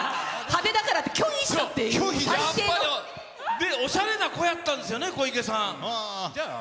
で、おしゃれな子やったんですよね、小池さん。